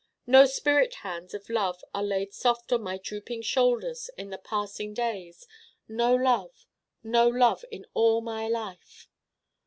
No spirit hands of Love are laid soft on my drooping shoulders in the passing days: no Love no Love in all my life.